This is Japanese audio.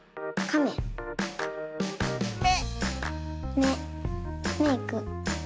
メメイク。